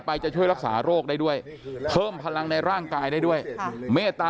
จะช่วยรักษาโรคได้ด้วยเพิ่มพลังในร่างกายได้ด้วยเมตตา